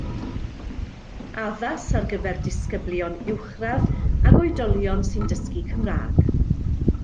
Addas ar gyfer disgyblion uwchradd ac oedolion sy'n dysgu Cymraeg.